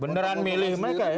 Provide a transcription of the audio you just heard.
beneran milih mereka ya